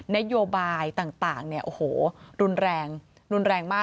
นโยบายต่างเนี่ยโอ้โหรุนแรงรุนแรงมาก